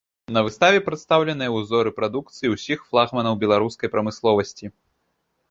На выставе прадстаўленыя ўзоры прадукцыі ўсіх флагманаў беларускай прамысловасці.